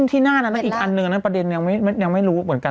ที่หน้านั้นอีกอันหนึ่งนั้นประเด็นยังไม่รู้เหมือนกัน